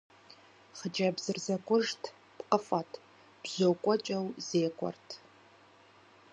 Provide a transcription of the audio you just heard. Хъыджэбзыр зэкӀужт, пкъыфӀэт, бжьо кӀуэкӀэу зекӀуэрт.